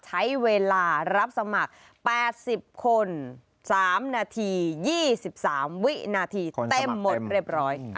ใช้เวลารับสมัคร๘๐คน๓นาที๒๓วินาทีเต็มหมดเรียบร้อย